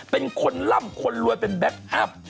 เป็นคนล่ำคนรวยเป็นแบ็คอัพ